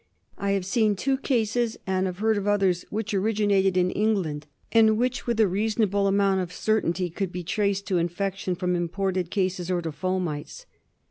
I have seen two cases, and have heard of others, which originated in England and which, with a reasonable amount of certainty, could be traced to infection from imported cases or to fomites.